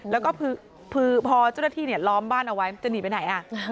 แล้วก็คือพอเจ้าหน้าที่ล้อมบ้านเอาไว้จะหนีไปไหน